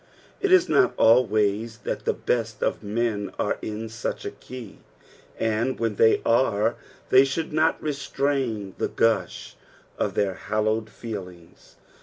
It is not always that the best of men are in such a key, and when they are they should not restrain the gush of their hallowed feelings.